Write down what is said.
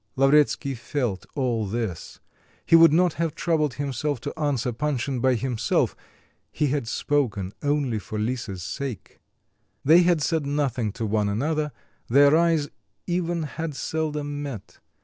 Lavretsky felt all this; he would not have troubled himself to answer Panshin by himself; he had spoken only for Lisa's sake. They had said nothing to one another, their eyes even had seldom met.